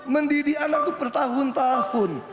mendidik anak itu per tahun tahun